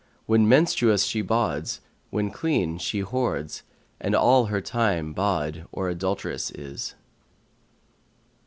When menstuous she bawds; when clean she whores; * And all her time bawd or adulteress is."